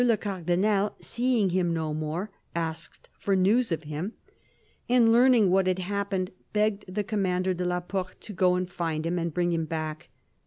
le Cardinal, seeing him no more, asked for news of him ; and learning what had happened, begged the Commander de la Porte to go and find him and bring him back.